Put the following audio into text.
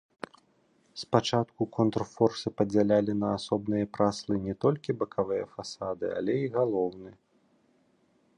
Спачатку контрфорсы падзялялі на асобныя праслы не толькі бакавыя фасады, але і галоўны.